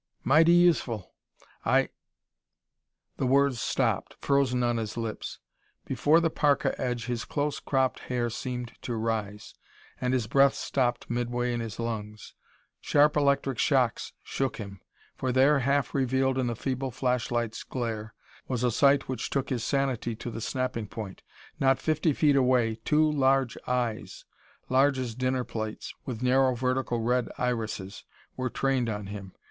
"Mighty useful. I " The words stopped, frozen on his lips. Before the parka edge his close cropped hair seemed to rise, and his breath stopped midway in his lungs. Sharp electric shocks shook him, for there, half revealed in the feeble flashlight's glare, was a sight which shook his sanity to the snapping point. Not fifty feet away two eyes, large as dinner plates, with narrow vertical red irises, were trained on him.